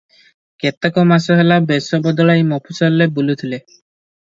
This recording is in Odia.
କେତେକ ମାସ ହେଲା ବେଶ ବଦଳାଇ ମଫସଲରେ ବୁଲୁଥିଲେ ।